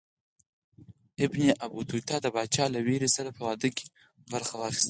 ابن بطوطه د پاچا له ورېرې سره په واده کې برخه واخیستله.